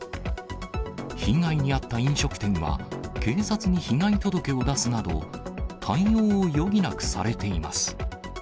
被害に遭った飲食店は、警察に被害届を出すなど、対応を余儀なくされています。